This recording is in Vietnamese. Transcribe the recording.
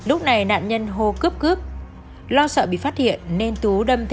ông vội vã rời hiện trường